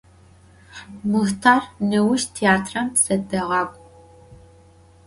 Muxhtar, nêuş têatram tızedeğak'u.